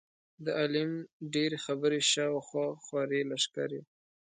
د عالم ډېرې خبرې شا او خوا خورې لښکرې.